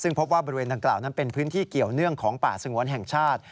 ซึ่งพบว่าบริเวณดังกล่าวนั้นเป็นพื้นที่เกี่ยวเนื่องของป่าสงวนแห่งชาติ